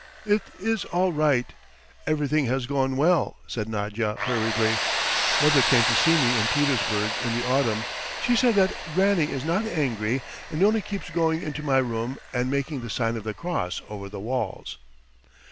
"It is all right, everything has gone well," said Nadya hurriedly. "Mother came to see me in Petersburg in the autumn; she said that Granny is not angry, and only keeps going into my room and making the sign of the cross over the walls."